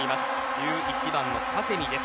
１１番のカゼミです。